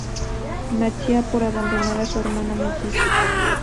Mattia por abandonar a su hermana melliza.